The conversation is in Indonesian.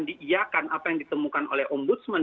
diiakan apa yang ditemukan oleh ombudsman